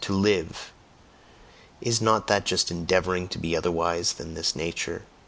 To live is not that just endeavouring to be otherwise than this Nature?